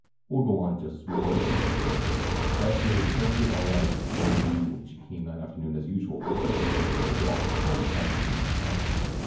We'll go on just as we've always done." That she had interpreted it aright Lloyd knew when he came that afternoon as usual and proposed a walk over past the Lindsey Cabin.